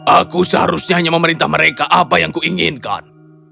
aku seharusnya hanya memerintah mereka apa yang kuinginkan